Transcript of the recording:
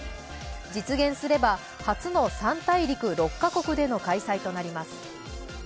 実現すれば初の３大陸６か国での開催となります。